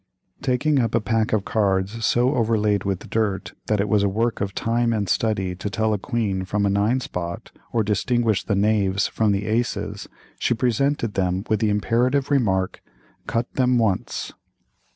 Taking up a pack of cards so overlaid with dirt that it was a work of time and study to tell a queen from a nine spot, or distinguish the knaves from the aces, she presented them with the imperative remark: "Cut them once."